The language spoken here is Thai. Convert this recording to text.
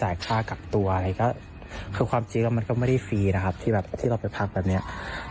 แต่เขาบอกว่าอยากให้ปรับปรุงเพื่อไม่ให้ใครมาเจอแบบนี้อีก